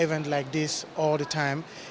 event seperti ini sepanjang waktu